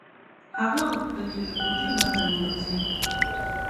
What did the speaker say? هغه غوښتل چې له کوټې بهر ووځي.